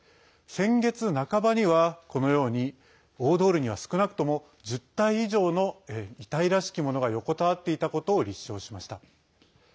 先月半ばには、このように大通りには少なくとも１０体以上の遺体らしきものが横たわっていたことを立証しました。